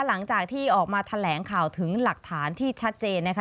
หลังจากที่ออกมาแถลงข่าวถึงหลักฐานที่ชัดเจนนะคะ